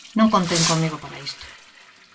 Non conten comigo para isto.